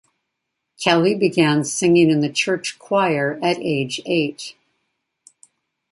Kelly began singing in the church choir at age eight.